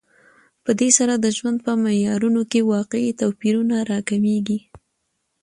په دې سره د ژوند په معیارونو کې واقعي توپیرونه راکمېږي